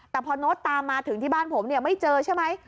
แต่พอน้ตามมาถึงที่บ้านผมไม่เจอใช่ไหม